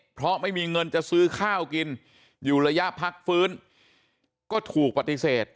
เพราะไม่มีเงินจะซื้อข้าวกินอยู่ระยะพักฟื้นก็ถูกปฏิเสธ